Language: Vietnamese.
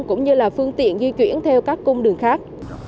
cũng như là phương tiện di chuyển theo các cung đường khác